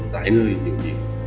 tại nơi diễn viên